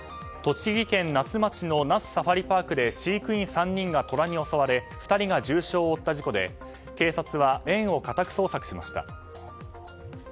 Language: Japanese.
栃木県那須町の那須サファリパークで飼育員３人がトラに襲われ２人が重傷を負った事故で警察は、園を家宅捜索しました。